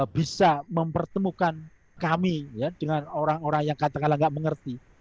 bisa mempertemukan kami dengan orang orang yang kadang kadang gak mengerti